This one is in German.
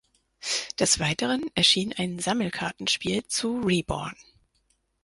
Des Weiteren erschien ein Sammelkartenspiel zu Reborn!